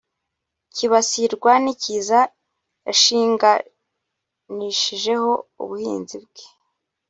kibasirwa n’ikiza yashinganishijeho ubuhinzi bwe